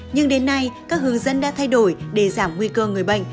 nhưng đến nay các hướng dẫn đã thay đổi để giảm nguy cơ người bệnh